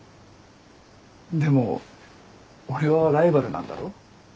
でも俺はライバルなんだろ？